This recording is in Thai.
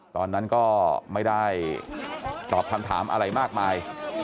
ตอนนั้นก็ไม่ได้ตอบคำถามอะไรมากมาย